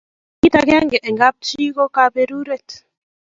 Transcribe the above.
kit akenge eng kap chi ko kaberuret